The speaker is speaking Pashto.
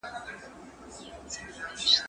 زه کولای سم دا کار وکړم؟